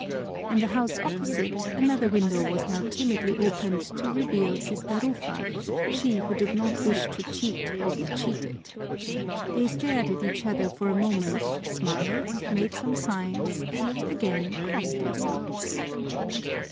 In the house opposite, another window was now timidly opened to reveal Sister Rufa, she who did not wish to cheat or be cheated. They stared at each other for a moment, smiled, made some signs, and again crossed themselves.